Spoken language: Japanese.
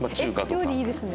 料理いいですね。